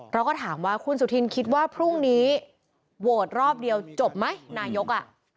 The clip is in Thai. เราก็ถามว่าคุณสุธินคิดว่าพรุ่งนี้โหวตรอบเดียวจบไหมนายก